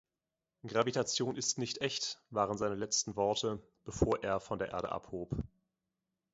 "Gravitation ist nicht echt" waren seine letzten Worte, bevor er von der Erde abhob